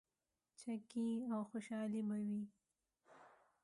چکې او خوشحالي به وه.